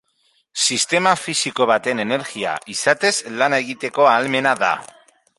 Sistema fisiko baten energia, izatez, lana egiteko ahalmena da.